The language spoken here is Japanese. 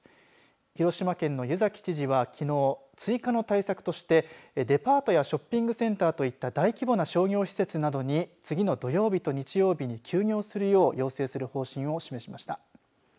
広島県の湯崎知事はきのう追加の対策としてデパートやショッピングセンターといった大規模な商業施設などに次の土曜日と日曜日に休養するよう要請する方針を示しました。